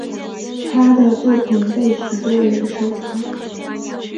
她的作品被许多人收藏。